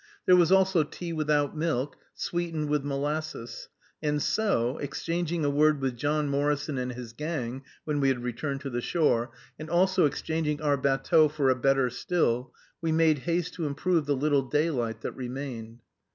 There was also tea without milk, sweetened with molasses. And so, exchanging a word with John Morrison and his gang when we had returned to the shore, and also exchanging our batteau for a better still, we made haste to improve the little daylight that remained.